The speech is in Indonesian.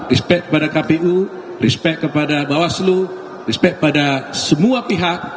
respect kepada kpu respect kepada bawaslu respect pada semua pihak